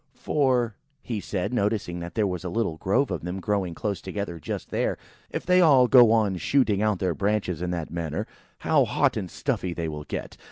"For," said he, (noticing that there was a little grove of them growing close together just there,) "if they all go on, shooting out their branches in that manner, how hot and stuffy they will get!